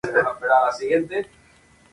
Ha compuesto siete óperas.